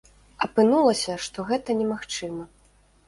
Апынулася, што гэта немагчыма.